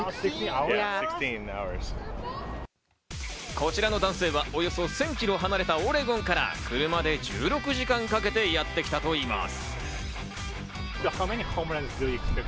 こちらの男性はおよそ１０００キロ離れたオレゴンから車で１６時間かけてやってきたといいます。